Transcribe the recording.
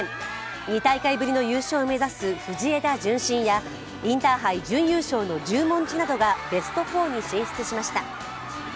２大会ぶりの優勝を目指す藤枝順心や、インターハイ準優勝の十文字などがベスト４に進出しました。